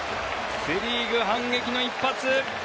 セ・リーグ、反撃の一発！